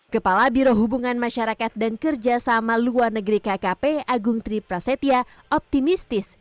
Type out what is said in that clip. kepala biro hubungan masyarakat dan kerjasama luar negeri kkp agung tri prasetya optimistis